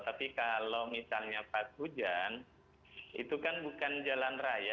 tapi kalau misalnya pas hujan itu kan bukan jalan raya